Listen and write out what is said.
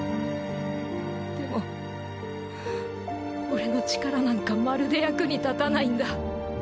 でも俺の力なんかまるで役に立たないんだ。